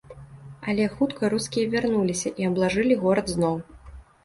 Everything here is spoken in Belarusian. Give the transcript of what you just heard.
Але хутка рускія вярнуліся і аблажылі горад зноў.